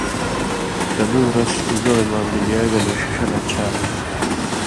کدُوں رس زوڑہۡ مہ بلیا گلے ݜِݜہ لا چھا